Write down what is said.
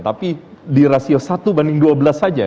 tapi di rasio satu banding dua belas saja